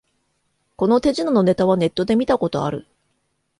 この手品のネタはネットで見たことある